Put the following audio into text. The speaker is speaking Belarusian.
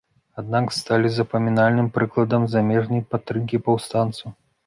Аднак сталі запамінальным прыкладам замежнай падтрымкі паўстанцаў.